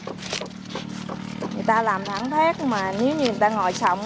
gì này kia hoài ngày làm chút chút vậy đó người ta làm thẳng thác mà nếu như người ta ngồi sọng